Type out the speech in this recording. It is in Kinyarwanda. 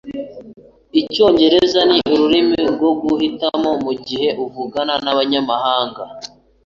Icyongereza ni ururimi rwo guhitamo mugihe uvugana nabanyamahanga